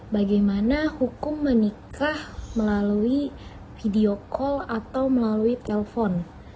bagaimana hukum menikah melalui video call atau melalui telepon